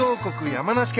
山梨県。